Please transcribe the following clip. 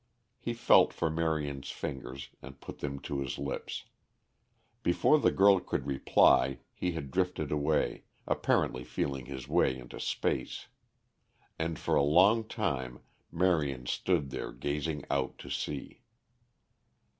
He felt for Marion's fingers and put them to his lips. Before the girl could reply he had drifted away, apparently feeling his way into space. And for a long time Marion stood there gazing out to sea.